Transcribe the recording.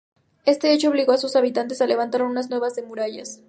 Este hecho obligó a sus habitantes a levantar unas nuevas las murallas.